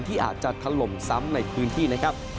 ที่อาจจะถล่มซ้ำในพื้นที่นะครับ